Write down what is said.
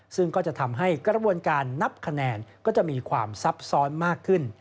ซึ่งก็จะทำให้กระบวนการนับคะแนนก็จะมีความซับซ้อนมากขึ้น